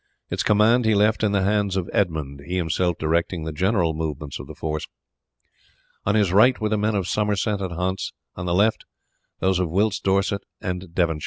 Its command he left in the hands of Edmund, he himself directing the general movements of the force. On his right were the men of Somerset and Hants; on the left those of Wilts, Dorset, and Devon.